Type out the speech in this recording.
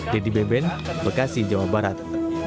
dedy beben bekasi jawa barat